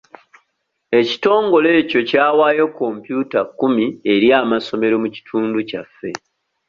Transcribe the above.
Ekitongole ekyo kyawaayo kompyuta kkumi eri amasomero mu kitundu kyaffe.